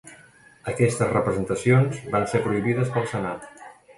Aquestes representacions van ser prohibides pel Senat.